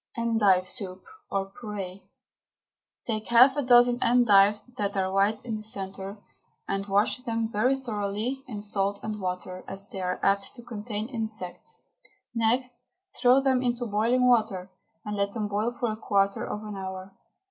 ENDIVE SOUP, OR PUREE. Take half a dozen endives that are white in the centre, and wash them very thoroughly in salt and water, as they are apt to contain insects. Next throw. them into boiling water, and let them boil for a quarter of an hour.